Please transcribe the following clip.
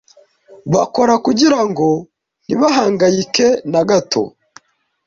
bakora kugirango ntibahangayike na gato